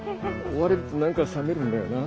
追われると何か冷めるんだよな。